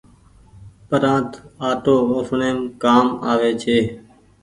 پرانت آٽو اُسڻيم ڪآم آوي ڇي۔